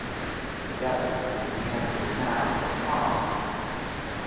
The Governor put his hand to his mouth and coughed.